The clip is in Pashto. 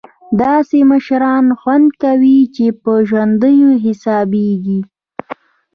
داسې مشران خوند کوي چې په ژوندیو حسابېږي.